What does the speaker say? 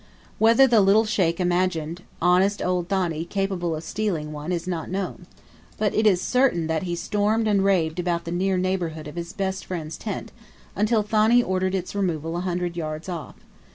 Whether the little Sheikh imagined honest old Thani capable of stealing one is not known, but it is certain that he stormed and raved about the near neighbourhood of his best friend's tent, until Thani ordered its removal a hundred yards off.